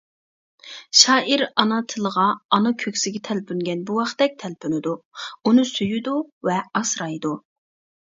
شائىر ئانا تىلىغا ئانا كۆكسىگە تەلپۈنگەن بوۋاقتەك تەلپۈنىدۇ، ئۇنى سۆيىدۇ ۋە ئاسرايدۇ.